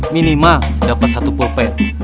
minimal dapat satu pulpet